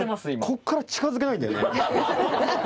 こっから近づけないんだよね。